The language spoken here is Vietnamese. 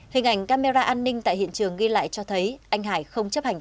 hình ảnh camera an ninh tại hiện trường ghi lại cho thấy anh hải không chấp hành